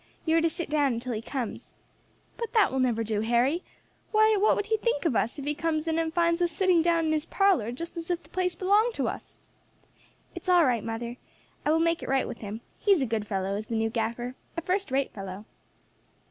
You are to sit down until he comes." "But that will never do, Harry. Why, what would he think of us if he comes in and finds us sitting down in his parlour just as if the place belonged to us?" "It's all right, mother, I will make it right with him; he's a good fellow, is the new gaffer a first rate fellow."